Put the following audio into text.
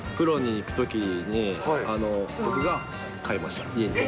プロに行くときに、僕が飼いました。